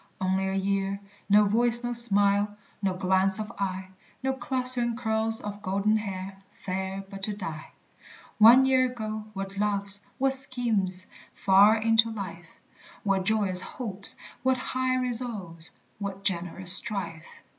Only a year, no voice, no smile, No glance of eye, No clustering curls of golden hair, Fair but to die! One year ago, what loves, what schemes Far into life! What joyous hopes, what high resolves, What generous strife!